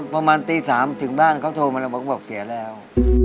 ประมาณตี๓ถึงบ้านเขาโทรมาแล้วผมก็บอกเสียแล้ว